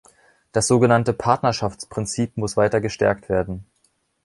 Das sogenannte Partnerschaftsprinzip muss weiter gestärkt werden.